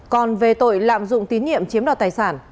còn về tội lạm dụng tín nhiệm chiếm đoạt tài sản